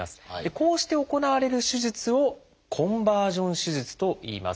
こうして行われる手術を「コンバージョン手術」といいます。